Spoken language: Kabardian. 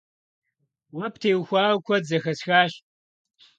Уэ птеухауэ куэд зэхэсхащ.